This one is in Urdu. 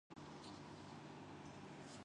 اسے یہاں پنپنے میں مشکل ہوتی ہے۔